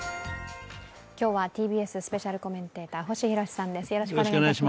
今日はＴＢＳスペシャルコメンテーター、星浩さんです。